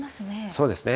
そうですね。